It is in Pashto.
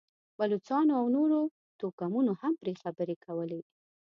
بلوڅانو او نورو توکمونو هم پرې خبرې کولې.